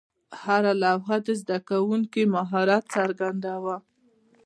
هره لوحه د زده کوونکي مهارت څرګنداوه.